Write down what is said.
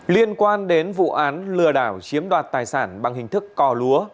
liên quan đến vụ án lừa đảo chiếm đoạt tài sản bằng hình thức cò lúa